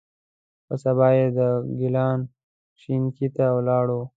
په سبا یې د ګیلان شینکۍ ته ولاړو.